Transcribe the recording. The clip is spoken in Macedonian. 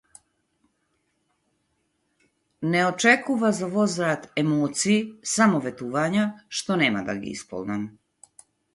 Не очекува за возврат емоции, само ветувања, што нема да ги исполнам.